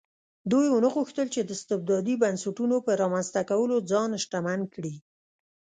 دوی ونه غوښتل چې د استبدادي بنسټونو په رامنځته کولو ځان شتمن کړي.